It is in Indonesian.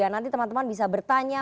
nanti teman teman bisa bertanya